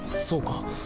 そうか。